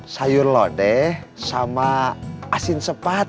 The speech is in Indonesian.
sayur lodeh sama asin sepat